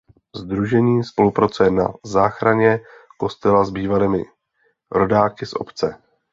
Sdružení spolupracuje na záchraně kostela s bývalými rodáky z obce.